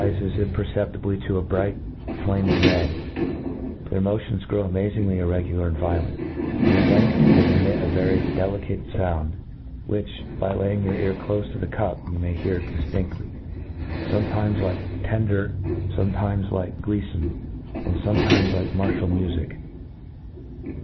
ance rifcs imperceptibly to a bright flammg red ; their motions grow amazingly irregular and vio lent ; and at length they emit a very delicate found, which, by laying your ear clofe to the cup, you may hear diftihaiy, fometimes like tender, fometimes like gleefome, and fometimes like martial mufic.